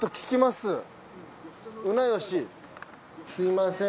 すみません。